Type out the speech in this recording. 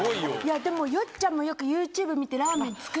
でもよっちゃんもよくＹｏｕＴｕｂｅ見て。